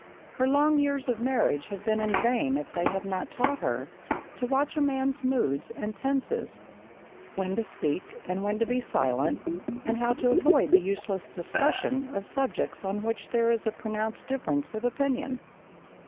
Her long years of marriage have been in vain if they have not taught her to watch a man's moods and tenses; when to speak and when to be silent, and how to avoid useless discussion of subjects on which there is a pronounced difference of opinion.